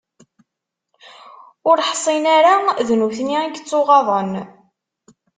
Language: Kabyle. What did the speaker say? Ur ḥsin ara d nutni i yettuɣaḍen.